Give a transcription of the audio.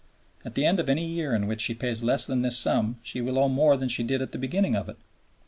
At the end of any year in which she pays less than this sum she will owe more than she did at the beginning of it.